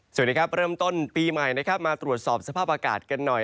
สวัสดีครับเริ่มต้นปีใหม่นะครับมาตรวจสอบสภาพอากาศกันหน่อย